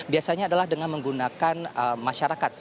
biasanya adalah dengan menggunakan masyarakat